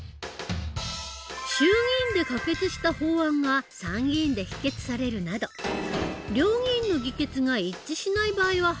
衆議院で可決した法案が参議院で否決されるなど両議院の議決が一致しない場合は廃案になる。